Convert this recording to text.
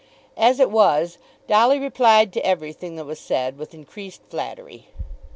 As it was Dolly replied to everything that was said with increased flattery.